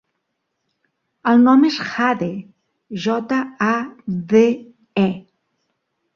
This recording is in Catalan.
El nom és Jade: jota, a, de, e.